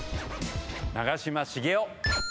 長嶋茂雄。